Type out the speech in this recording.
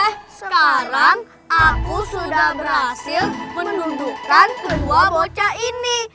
tahu ya sekarang saya sudah berhasil menundukkan kedua bocah ini